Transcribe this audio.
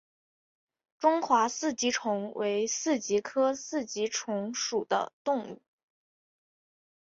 中华四极虫为四极科四极虫属的动物。